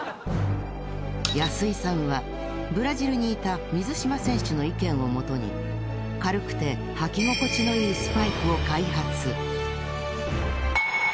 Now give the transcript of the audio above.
安井さんはブラジルにいた水島選手の意見をもとに軽くて履き心地のいいスパイクを開発。